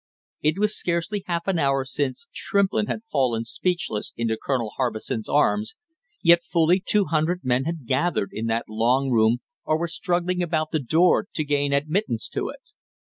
It was scarcely half an hour since Shrimplin had fallen speechless into Colonel Harbison's arms, yet fully two hundred men had gathered in that long room or were struggling about the door to gain admittance to it.